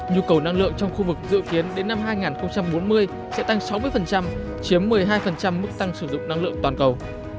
nhu cầu năng lượng trong khu vực dự kiến đến năm hai nghìn bốn mươi sẽ tăng sáu mươi chiếm một mươi hai mức tăng sử dụng năng lượng toàn cầu